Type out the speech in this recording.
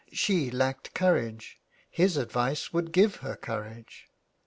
She lacked courage : his advice would give her courage.